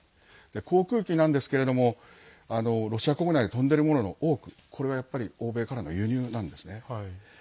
航空機なんですけれどもロシア国内を飛んでいるものの多くこれは欧米からの輸入なんですね。